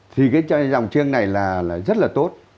thì cái dòng chiêng này là rất là tốt